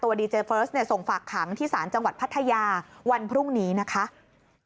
แม่บอกแบบนี้อันนี้ในมุมของแม่ผู้ชมทีนี้ตำรวจเนี่ยก็จะมาจุดจบตรงนี้ไง